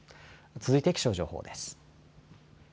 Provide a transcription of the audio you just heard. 続いて気象情報です。